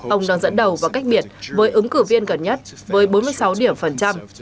ông đang dẫn đầu và cách biệt với ứng cử viên gần nhất với bốn mươi sáu điểm phần trăm